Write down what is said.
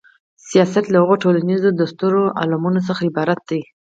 سیاست له هغو ټولیزو دستورالعملونو څخه عبارت دی.